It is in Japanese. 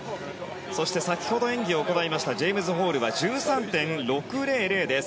そして先ほど演技を行いましたジェームズ・ホールは１３．６００です。